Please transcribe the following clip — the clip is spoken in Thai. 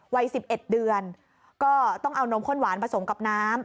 วัย๑๑เดือนก็ต้องเอานมข้นหวานผสมกับน้ำ